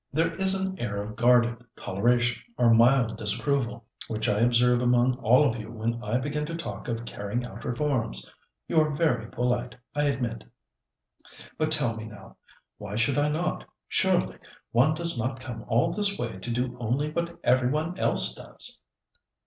There is an air of guarded toleration, or mild disapproval, which I observe among all of you when I begin to talk of carrying out reforms. You are very polite, I admit; but tell me now, why should I not? Surely one does not come all this way to do only what everyone else does!"